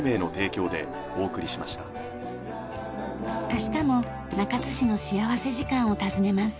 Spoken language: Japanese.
明日も中津市の幸福時間を訪ねます。